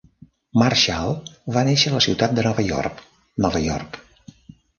Marshall va néixer a la ciutat de Nova York, Nova York.